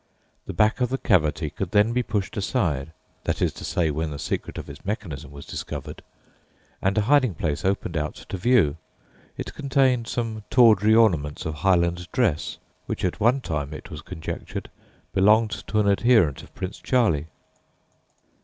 The back of the cavity could then be pushed aside (that is to say, when the secret of its mechanism was discovered), and a hiding place opened out to view. It contained some tawdry ornaments of Highland dress, which at one time, it was conjectured, belonged to an adherent of Prince Charlie.